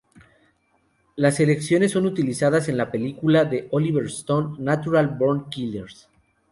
Las selecciones son utilizadas en la película de Oliver Stone, "Natural Born Killers".